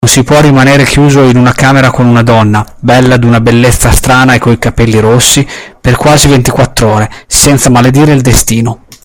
Non si può rimanere chiuso in una camera con una donna – bella d'una bellezza strana e coi capelli rossi – per quasi ventiquattr'ore, senza maledire il destino.